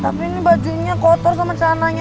tapi ini bajunya kotor sama celananya